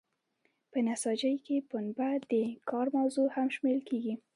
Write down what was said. په نساجۍ کې پنبه د کار موضوع هم شمیرل کیږي.